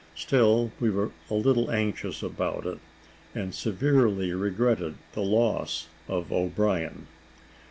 Still we were a little anxious about it, and severely regretted the loss of O'Brien.